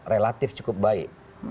relatif cukup baik